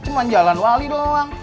cuman jalan wali doang